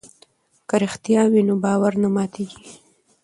که رښتیا وي نو باور نه ماتیږي.